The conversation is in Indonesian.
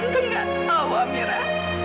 tante gak tahu amira